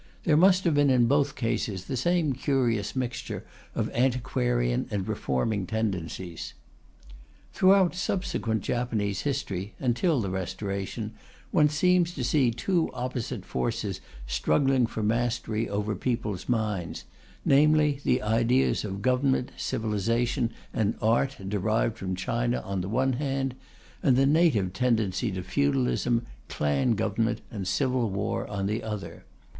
There must have been, in both cases, the same curious mixture of antiquarian and reforming tendencies. Throughout subsequent Japanese history, until the Restoration, one seems to see two opposite forces struggling for mastery over people's minds, namely the ideas of government, civilization and art derived from China on the one hand, and the native tendency to feudalism, clan government, and civil war on the other.